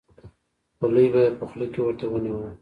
خولۍ به یې په خوله کې ورته ونیوله.